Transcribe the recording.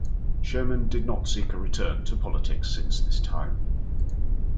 Sherman did not seek a return to politics since this time.